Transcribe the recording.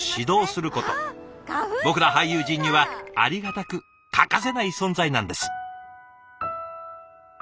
僕ら俳優陣にはありがたく欠かせない存在なんです。